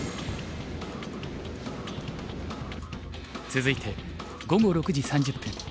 続いて午後６時３０分